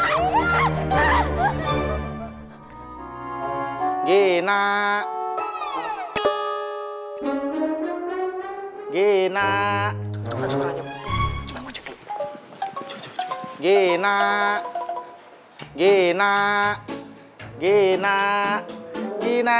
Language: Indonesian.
kamu jangan berisik gina